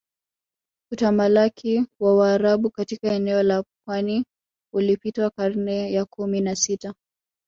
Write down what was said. Utamalaki wa Waarabu katika eneo la pwani ulipitwa karne ya kumi na sita